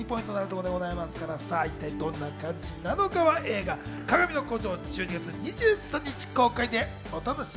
一体どんな感じなのか、映画『かがみの孤城』は１２月２３日公開です。